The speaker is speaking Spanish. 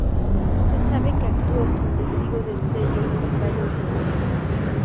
Se sabe que actuó como testigo de sellos en varios documentos.